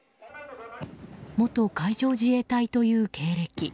元海上自衛隊という経歴。